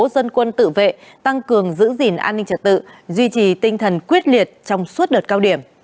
dân quân tự vệ tăng cường giữ gìn an ninh trật tự duy trì tinh thần quyết liệt trong suốt đợt cao điểm